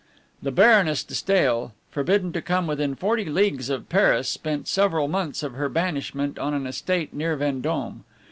The Baroness de Stael, forbidden to come within forty leagues of Paris, spent several months of her banishment on an estate near Vendome.